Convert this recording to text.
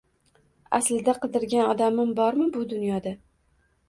Aslida qidirgan odamim bormi bu dunyoda